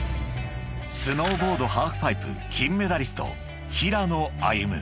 ［スノーボードハーフパイプ金メダリスト］